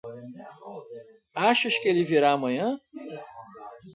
Achas que ele virá amanhã?